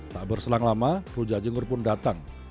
tak berselang lama rujak cinggur pun datang